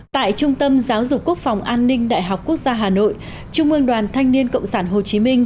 tại trung tâm giáo dục quốc phòng an ninh đại học quốc gia hà nội trung ương đoàn thanh niên cộng sản hồ chí minh